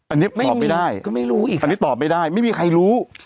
อันนี้ตอบไม่ได้อันนี้ตอบไม่ได้ไม่มีใครรู้